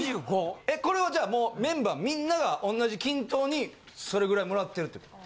えこれはじゃあもうメンバーみんなが同じ均等にそれぐらい貰ってるってこと？